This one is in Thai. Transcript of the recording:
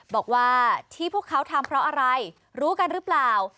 บอกว่าที่พวกเขาทำเพราะอะไรรู้กันหรือเปล่า